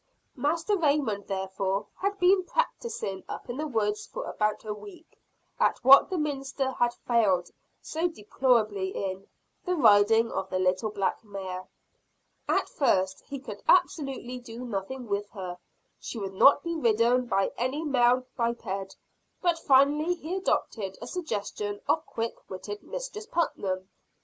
Master Raymond therefore had been practising up in the woods for about a week, at what the minister had failed so deplorably in, the riding of the little black mare. At first he could absolutely do nothing with her; she would not be ridden by any male biped. But finally he adopted a suggestion of quick witted Mistress Putnam.